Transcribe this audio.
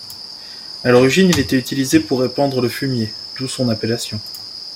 À l'origine il était utilisé pour épandre le fumier, d'où son appellation.